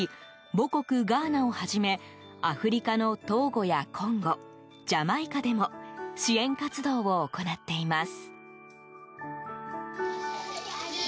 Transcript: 母国ガーナをはじめアフリカのトーゴやコンゴ、ジャマイカでも支援活動を行っています。